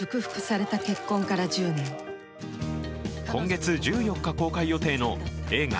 今月１４日公開予定の映画